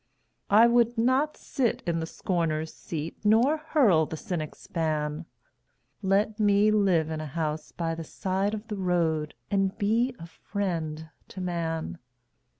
I would not sit in the scorner's seat Nor hurl the cynic's ban Let me live in a house by the side of the road And be a friend to man.